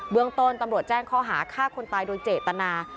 เมืองต้นตำรวจแจ้งข้อหาฆ่าคนตายโดยเจตนา